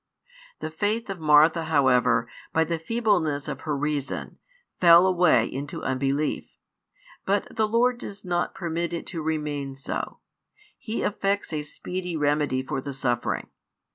The faith of Martha however, by the feebleness of her reason, fell away into unbelief. But the Lord does not permit it to remain so: He effects a speedy remedy for the suffering.